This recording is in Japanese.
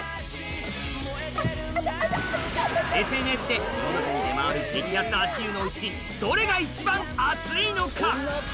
ＳＮＳで世の中に出回る激アツ足湯のうちどれが一番熱いのか？